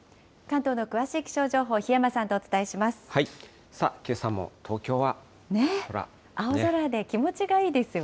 関東の詳しい気象情報、檜山さんとお伝えします。